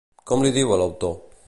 Com li diu a l'autor?